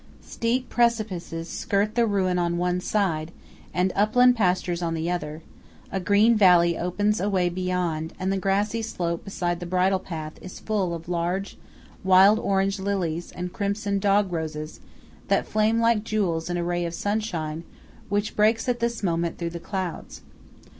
Steep precipices skirt the ruin on one side, and upland pastures on the other; a green valley opens away beyond; and the grassy slope beside the bridle path is full of large wild orange lilies and crimson dog roses that flame like jewels in a ray of sunshine which breaks at this moment through the clouds.